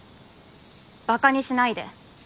ばかにしないで。